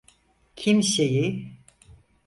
Kimseyi…